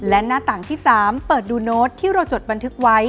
และหน้าต่างที่๓เปิดดูโน้ตที่เราจดบันทึกไว้